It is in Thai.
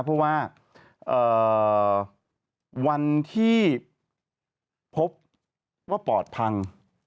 เพราะว่าวันที่พบว่าปอดพัง